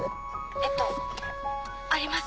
えっとあります。